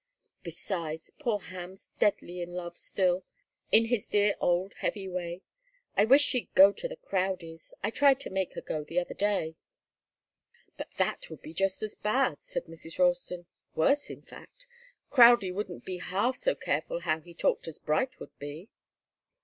Besides poor Ham's deadly in love still, in his dear old heavy way. I wish she'd go to the Crowdies'. I tried to make her go the other day " "But that would be just as bad," said Mrs. Ralston. "Worse, in fact. Crowdie wouldn't be half so careful how he talked as Bright would be."